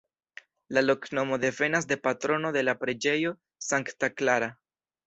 La loknomo devenas de patrono de la preĝejo Sankta Klara.